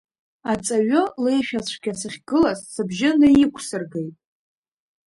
Аҵаҩы леишәацәгьа сахьгылаз, сыбжьы наиқәсыргеит.